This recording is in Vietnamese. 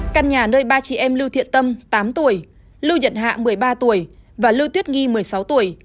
căn nhà nơi ba chị em lưu thiện tâm tám tuổi lưu nhận hạ một mươi ba tuổi và lưu tuyết nghi một mươi sáu tuổi